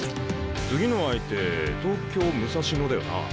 次の相手東京武蔵野だよな？